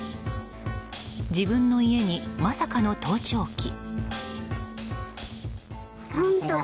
自分の家にまさかの盗聴器。